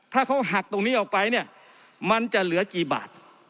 ถ้าเขาหักตรงนี้ออกไปเนี่ยมันจะเหลือกี่บาท